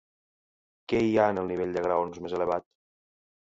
Què hi ha en el nivell de graons més elevat?